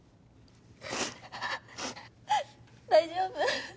大丈夫？